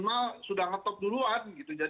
kalau jadi anggota dpr gimana mas